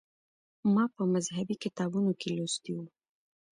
ما په مذهبي کتابونو کې لوستي و.